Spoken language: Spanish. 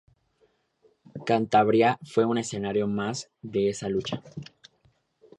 Cantabria fue un escenario más de esa lucha.